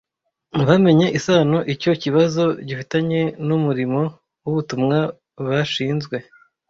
Ntibamenye isano icyo kibazo gifitanye n’umurimo w’ubutumwa bashinzwe